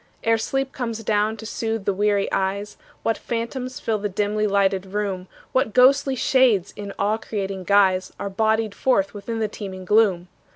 Ere sleep comes down to soothe the weary eyes, What phantoms fill the dimly lighted room; What ghostly shades in awe creating guise Are bodied forth within the teeming gloom.